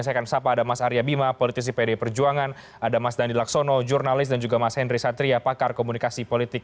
saya akan sapa ada mas arya bima politisi pd perjuangan ada mas dandi laksono jurnalis dan juga mas henry satria pakar komunikasi politik